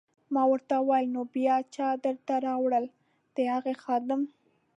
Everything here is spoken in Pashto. ما ورته وویل: نو بیا چا درته راوړل؟ د هغه خادم.